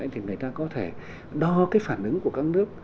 thì người ta có thể đo cái phản ứng của các nước